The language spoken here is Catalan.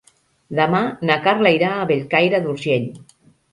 Demà na Carla irà a Bellcaire d'Urgell.